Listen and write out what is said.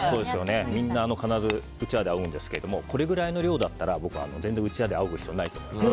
みんな必ずうちわであおぐんですけどこれぐらいの量だったら全然うちわであおぐ必要ないと思います。